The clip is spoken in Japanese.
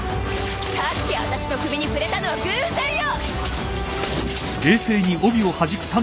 さっきあたしの首に触れたのは偶然よ！